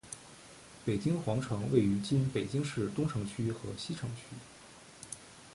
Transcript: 北京皇城位于今北京市东城区和西城区。